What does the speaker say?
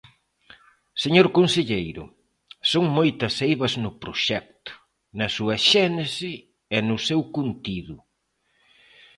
Señor conselleiro, son moitas eivas no proxecto, na súa xénese e no seu contido.